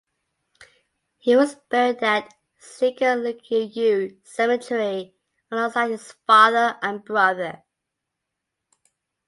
He was buried at Zincirlikuyu Cemetery alongside his father and brother.